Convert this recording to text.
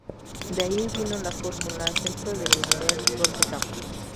De ahí vino la fórmula "centro de Leonel, gol de Campos".